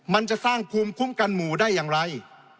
มันจะสร้างภูมิคุ้มกันหมู่ได้อย่างไร